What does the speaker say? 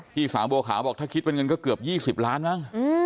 พี่สาวบัวขาวบอกถ้าคิดเป็นเงินก็เกือบ๒๐ล้านมั้ง